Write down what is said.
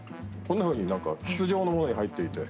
こんなふうに筒状のものに入っていて。